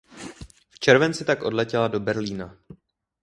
V červenci tak odletěla do Berlína.